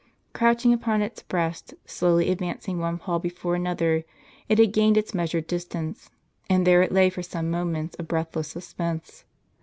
Crouching upon its breast, slowly advancing one paw before another, it had gained its measured distance, and there it lay for some moments of breathless suspense.